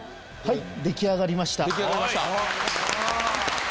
はい出来上がりました。